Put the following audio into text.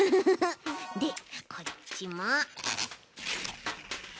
でこっちも。